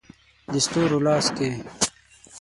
د ستورو لاس کې